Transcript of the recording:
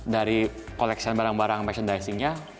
dari koleksi barang barang merchandisingnya